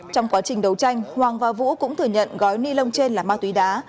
trong quá trình đấu tranh hoàng và vũ cũng thừa nhận gói ni lông trên là ma túy đá